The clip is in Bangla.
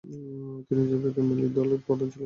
তিনি জেবহে মেলি দলের প্রধান ছিলেন।